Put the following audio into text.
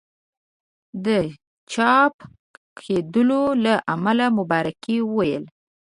د پاچا کېدلو له امله مبارکي ویلې.